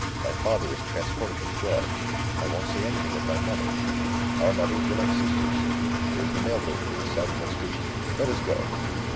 My father is transported with joy. I won't say anything of my mother! Our mothers were like sisters. There is the mail boat for the south next week let us go.